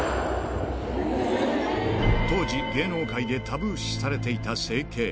当時、芸能界でタブー視されていた整形。